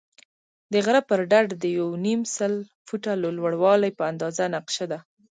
د غره پر ډډه د یو نیم سل فوټه لوړوالی په اندازه نقشه ده.